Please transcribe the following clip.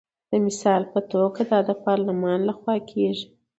د مثال په توګه دا د پارلمان لخوا کیږي.